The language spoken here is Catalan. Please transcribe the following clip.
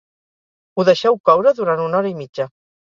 Ho deixeu coure durant una hora i mitja